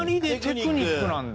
テクニックなんだ。